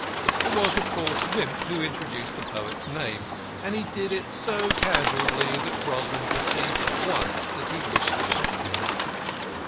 It was, of course, Wimp who introduced the poet's name, and he did it so casually that Grodman perceived at once that he wished to pump him.